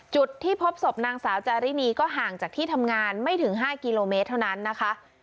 จุดที่พบศพนางสาวจารินีก็ห่างจากที่ทำงานไม่ถึง๕กิโลเมตรเท่านั้นนะคะ